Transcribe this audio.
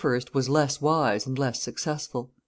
was less wise and less successful.